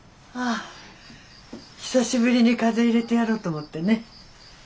久しぶりに風入れてやろうと思ってね。